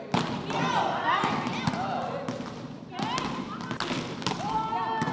สุดท้ายสุดท้ายสุดท้าย